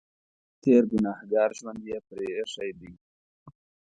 تېر ګنهګار ژوند یې پرې اېښی دی.